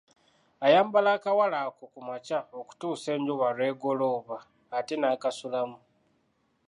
Ayambala akawale ako ku makya okutuusa enjuba lw’egolooba, ate n’akasulamu.